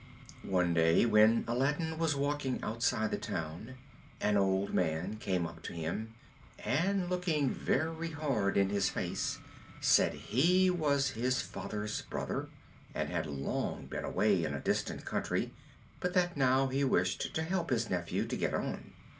One day, when Aladdin was walking outside the town, an old man came up to him, and looking very hard in his face, said he was his father's brother, and had long been away in a distant country, but that now he wished to help his nephew to get on.